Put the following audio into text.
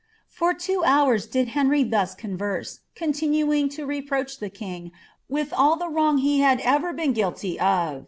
' For two hours did Henry thus cnnvorsc, coniinuing to reproach the FjUu with all [he wrong he had ever been guilty of.